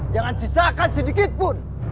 jangan sisakan sedikit pun